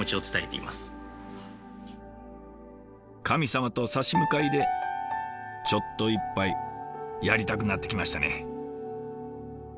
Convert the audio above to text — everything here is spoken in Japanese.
神様と差し向かいでちょっと一杯やりたくなってきましたね。